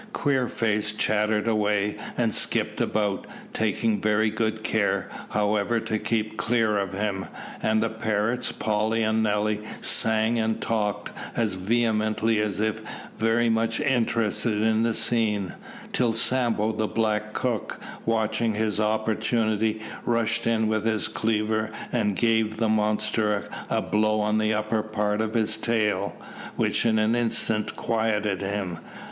Queerface chattered away and skipped about, taking very good care, however, to keep clear of him; and the parrots, Polly and Nelly, sang and talked as vehemently as if very much interested in the scene, till Sambo, the black cook, watching his opportunity, rushed in with his cleaver and gave the monster a blow on the upper part of his tail, which in an instant quieted him.